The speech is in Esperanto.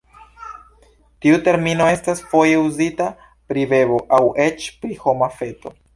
Tiu termino estas foje uzita pri bebo aŭ eĉ pri homa feto.